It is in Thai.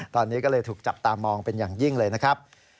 ตอนนี้ก็เลยถูกจับตามองเป็นอย่างยิ่งเลยนะครับ